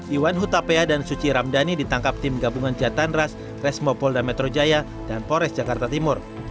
iwan hutapea dan suci ramdhani ditangkap tim gabungan jatandras resmopolda metro jaya dan polres jakarta timur